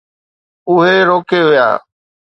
اهي روڪي ويا.